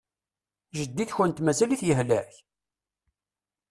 Jeddi-tkent mazal-it yehlek?